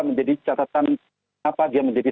menjadi catatan kenapa dia menjadi